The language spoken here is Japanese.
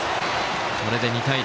これで２対０。